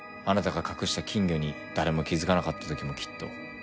あなたが隠した金魚に誰も気付かなかったときもきっと。